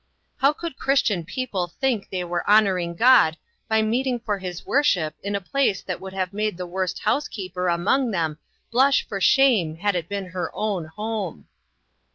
How could Christian people think they were honoring TRYING TO ENDURE. /I God by meeting for his worship in a place that would have made the worst house keeper among them blush for shame had it been her own home.